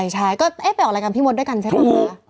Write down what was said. ใช่ก็ไปออกรายการพี่มดด้วยกันใช่ไหมลูก